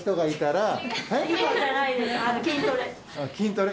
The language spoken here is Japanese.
筋トレ？